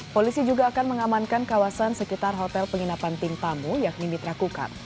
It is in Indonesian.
polisi juga akan mengamankan kawasan sekitar hotel penginapan tim tamu yakni mitra kukar